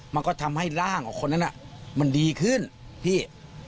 มันก็ทำให้ร่างของคนนั้นมันดีขึ้นพี่